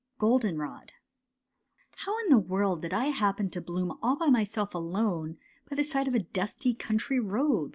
GOLDENROD '^ How in the world did I happen to bloom All by myself alone, By the side of a dusty, comitry road.